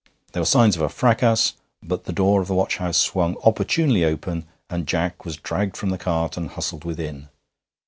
There were signs of a fracas, but the door of the watch house swung opportunely open, and Jack was dragged from the cart and hustled within.